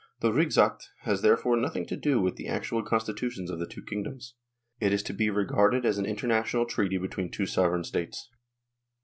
The " Rigsakt " has therefore nothing to do with the actual constitutions of the two kingdoms ; it is to be regarded as an international treaty between two sovereign states.